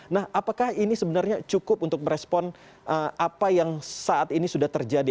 nah apakah ini sebenarnya cukup untuk merespon apa yang saat ini sudah terjadi